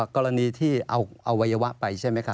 กรณีที่เอาอวัยวะไปใช่ไหมคะ